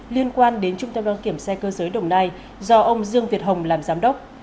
liên quan đến trung tâm đăng kiểm xe cơ giới đồng nai do ông dương việt hồng làm giám đốc